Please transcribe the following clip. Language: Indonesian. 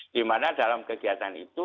dimana dalam kegiatan itu